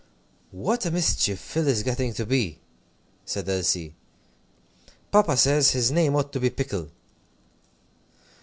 "What a mischief Phil is getting to be!" said Elsie. "Papa says his name ought to be Pickle."